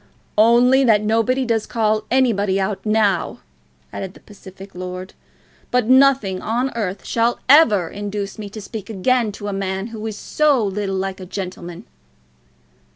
"Only that nobody does call any body out now," added the pacific lord. "But nothing on earth shall ever induce me to speak again to a man who is so little like a gentleman."